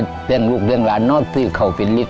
ช่วยลูกเรียงหลานน้อซื้อเขาเป็นนรีด